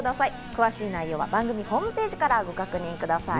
詳しい内容は番組ホームページからご確認ください。